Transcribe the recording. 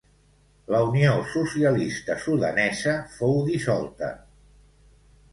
La Unió Socialista Sudanesa fou dissolta.